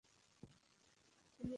তিনি একজন সরোদ-বাদক।